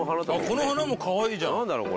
この花もかわいいじゃん何だろう？